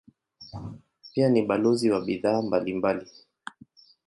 Pia ni balozi wa bidhaa mbalimbali.